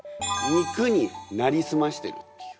肉になりすましてるっていう。